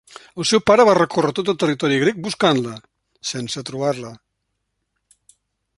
El seu pare va recórrer tot el territori grec buscant-la, sense trobar-la.